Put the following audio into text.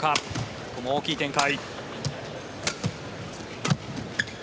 ここも大きい展開。